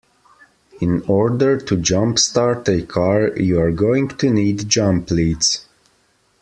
In order to jumpstart a car you are going to need jump leads